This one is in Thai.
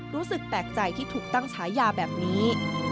รู้สึกแปลกใจที่ถูกตั้งฉายาแบบนี้